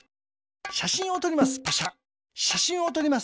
しゃしんをとります。